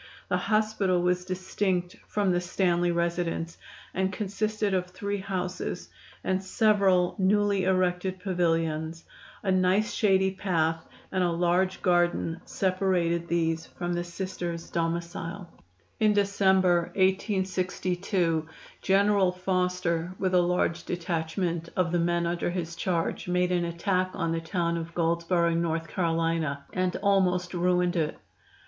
The "hospital" was distinct from the "Stanley residence" and consisted of three houses and several newly erected pavilions; a nice shady path and a large garden separated these from the Sisters' domicile. [Illustration: AN ARMY EXPRESS OFFICE.] In December, 1862, General Foster, with a large detachment of the men under his charge made an attack on the town of Goldsborough, North Carolina, and almost ruined it.